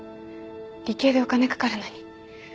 理系でお金かかるのに。